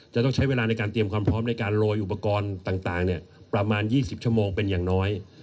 จะต้องใช้เวลาในการเตรียมความพร้อมในการโรยอุปกรณ์ต่างประมาณ๒๐ชั่วโมงเป็นอย่างน้อย